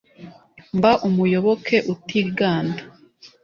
Mba umuyoboke utiganda !